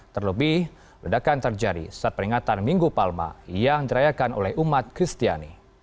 terlebih ledakan terjadi saat peringatan minggu palma yang dirayakan oleh umat kristiani